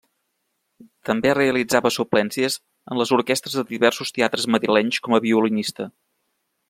També realitzava suplències en les orquestres de diversos teatres madrilenys com a violinista.